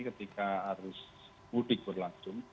ketika arus mudik berlangsung